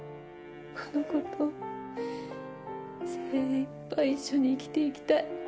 この子と精いっぱい一緒に生きて行きたい。